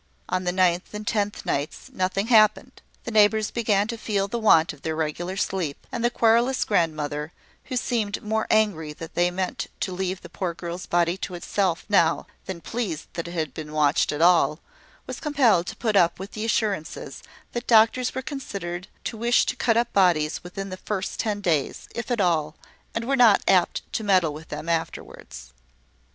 On the ninth and tenth nights nothing happened; the neighbours began to feel the want of their regular sleep; and the querulous grandmother, who seemed more angry that they meant to leave the poor girl's body to itself now, than pleased that it had been watched at all, was compelled to put up with assurances that doctors were considered to wish to cut up bodies within the first ten days, if at all, and were not apt to meddle with them afterwards.